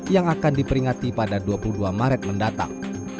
yang akan diperingati pada dua puluh dua maret mendatang